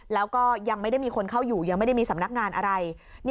แล้วก็ยังไม่ได้มีคนเข้าอยู่ยังไม่ได้มีสำนักงานอะไร